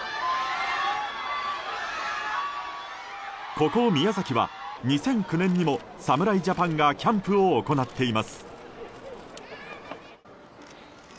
ここ宮崎は２００９年にも侍ジャパンがキャンプを行っています。